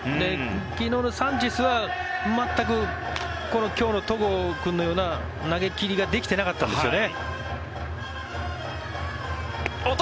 昨日のサンチェスは全く今日の戸郷君のような投げ切りができていなかったんですよね。